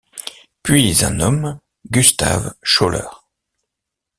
Puis un homme, Gustav Schöller.